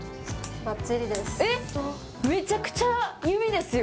えっめちゃくちゃ指ですよ！